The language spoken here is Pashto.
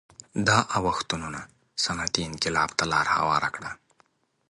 دا اوښتونونه صنعتي انقلاب ته لار هواره کړه